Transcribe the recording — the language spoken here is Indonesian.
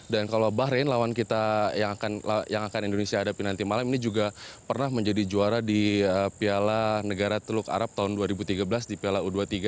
dan kalau bahrain lawan kita yang akan indonesia hadapi nanti malam ini juga pernah menjadi juara di piala negara teluk arab tahun dua ribu tiga belas di piala u dua puluh tiga